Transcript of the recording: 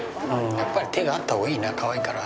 やっぱり手があった方がいいなかわいいから。